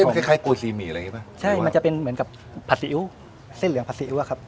มันคล้ายคล้ายโกยซีหมี่อะไรอย่างนี้ป่ะใช่มันจะเป็นเหมือนกับผัดซีอิ๊วเส้นเหลืองผัดซีอิ๊วอะครับ